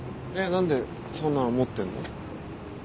何でそんなの持ってんの？